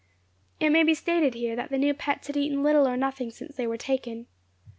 It may be stated here, that the new pets had eaten little or nothing since they were taken.